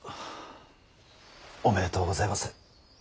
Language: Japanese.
おめでとうございます。